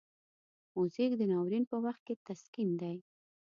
موزیک د ناورین په وخت کې تسکین دی.